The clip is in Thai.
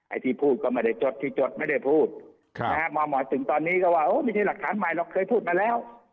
ไอ้ที่พูดก็ไม่ได้จดที่จดไม่ได้พูดมาหมอถึงตอนนี้ก็ว่าไม่ใช่หลักฐานใหม่หรอกเคยพูดมาแล้ว